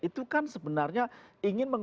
itu kan sebenarnya ingin